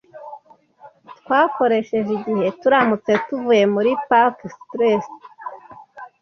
Twakoresheje igihe turamutse tuvuye muri Park Street .